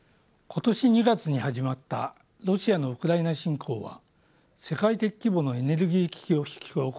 今年２月に始まったロシアのウクライナ侵攻は世界的規模のエネルギー危機を引き起こしました。